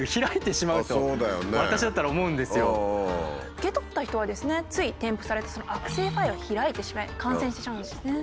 受け取った人はつい添付されたその悪性ファイルを開いてしまい感染してしまうんですよね。